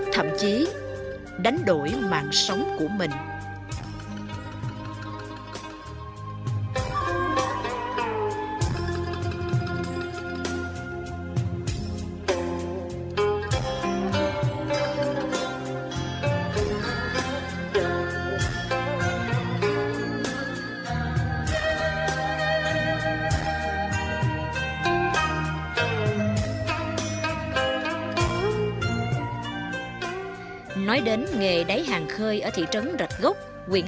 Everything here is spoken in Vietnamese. thậm chí đánh đổi mạng sống của bạn tròi